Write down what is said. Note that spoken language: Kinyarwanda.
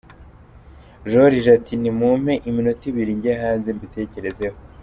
Joriji ati "nimumpe iminota ibiri njye hanze mbitekerezeho".